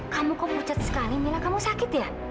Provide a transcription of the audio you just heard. kamu kok mecat sekali mila kamu sakit ya